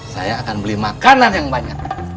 saya akan beli makanan yang banyak